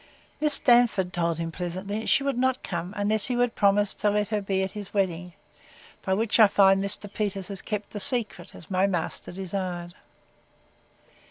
Miss Darnford told him pleasantly, She would not come, unless he would promise to let her be at his wedding; by which I find Mr. Peters has kept the secret, as my master desired.